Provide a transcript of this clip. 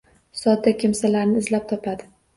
Sodda kimsalarni izlab topadi.